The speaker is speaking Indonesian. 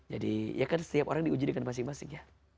jadi ya kan setiap orang diuji dengan masing masing ya